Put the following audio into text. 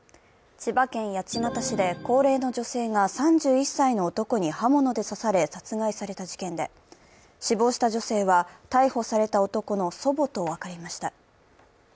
千葉県八街市で高齢の女性が３１歳の男に刃物で刺され殺害された事件で、死亡した女性は逮捕された男の祖母と分かりました。